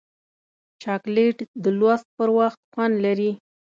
چاکلېټ د لوست پر وخت خوند لري.